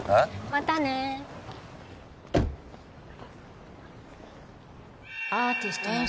またねアーティストなの